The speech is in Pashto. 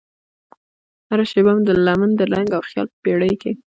هره شیبه مې لمن د رنګ او خیال په بیړۍ کې